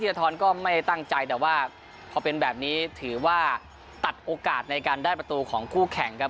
ธรก็ไม่ตั้งใจแต่ว่าพอเป็นแบบนี้ถือว่าตัดโอกาสในการได้ประตูของคู่แข่งครับ